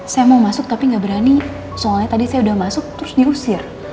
saya mau masuk tapi nggak berani soalnya tadi saya sudah masuk terus diusir